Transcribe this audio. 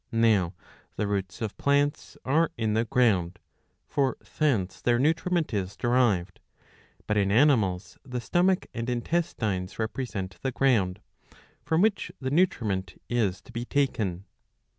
Now the roots of plants are in the ground ; for thence their nutriment is derived. But in animals the stomach and intestines represent the ground, from which the nutriment is to be taken.